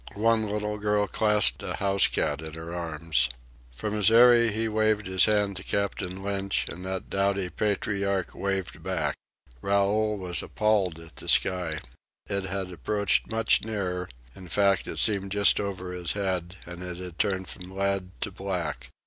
One little girl clasped a housecat in her arms. From his eyrie he waved his hand to Captain Lynch, and that doughty patriarch waved back. Raoul was appalled at the sky. It had approached much nearer in fact, it seemed just over his head; and it had turned from lead to black.